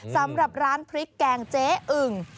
สำหรับร้านพริกแกงเจ๊อึ่ง